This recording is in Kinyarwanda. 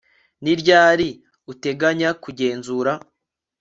ni ryari uteganya kugenzura